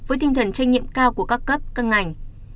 với tinh thần trách nhiệm cao của các cấp các ngành